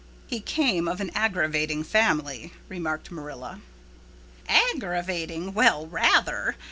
"He came of an aggravating family," remarked Marilla. "Aggravating? Well, rather!